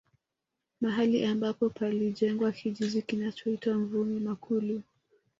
Mahali ambapo palijengwa kijiji kinachoitwa Mvumi Makulu